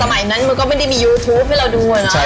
สมัยนั้นมันก็ไม่ได้มียูทูปให้เราดูอะเนาะ